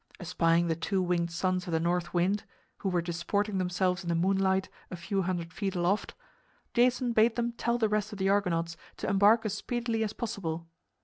Espying the two winged sons of the North Wind (who were disporting themselves in the moonlight a few hundred feet aloft), Jason bade them tell the rest of the Argonauts to embark as speedily as possible.